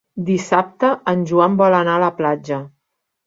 Dissabte en Joan vol anar a la platja.